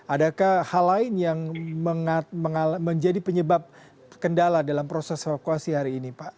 adakah hal lain yang menjadi penyebab kendala dalam proses evakuasi hari ini pak